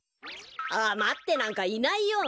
あまってなんかいないよ。